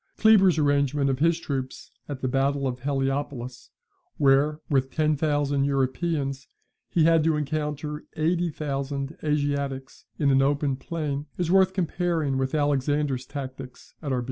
[Kleber's arrangement of his troops at the battle of Heliopolis, where, with ten thousand Europeans, he had to encounter eighty thousand Asiatics in an open plain, is worth comparing with Alexander's tactics at Arbela.